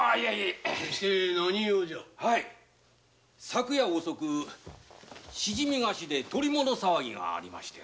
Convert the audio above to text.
昨夜遅くしじみ河岸で捕り物騒ぎがありました。